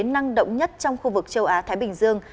năng động nhất trong khu vực châu á thái bình dương